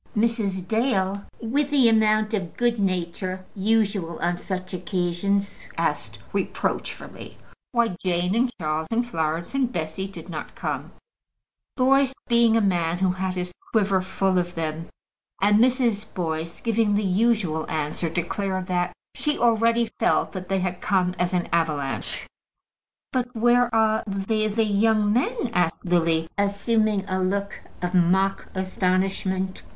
Mrs. Dale, with the amount of good nature usual on such occasions, asked reproachfully why Jane, and Charles, and Florence, and Bessy, did not come, Boyce being a man who had his quiver full of them, and Mrs. Boyce, giving the usual answer, declared that she already felt that they had come as an avalanche. "But where are the the the young men?" asked Lily, assuming a look of mock astonishment.